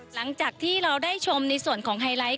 หลังจากที่เราได้ชมในส่วนของไฮไลท์